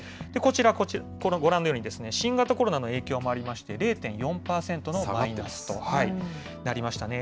こちら、ご覧のように新型コロナの影響もありまして、０．４％のマイナスとなりましたね。